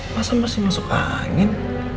masa masih masuk angin